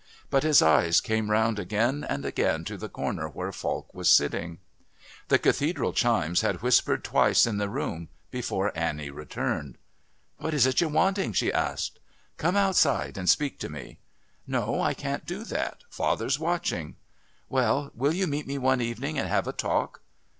But his eyes came round again and again to the corner where Falk was sitting. The Cathedral chimes had whispered twice in the room before Annie returned. "What is it you're wanting?" she asked. "Come outside and speak to me." "No, I can't do that. Father's watching." "Well, will you meet me one evening and have a talk?"